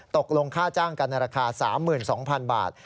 ตกลงค่าจ้างกันในราคา๓๒๐๐๐บาท